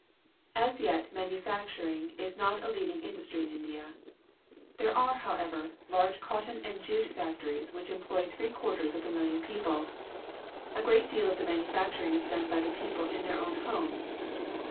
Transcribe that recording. As 3'et manufacturing is not a leading in dustrj^ in India. There are, however, large A Village Scene, India cotton and iiite^actonaa, which employ three quarters of a million people. A great deal of the manufacturing is done by the people in their o\\ti homes.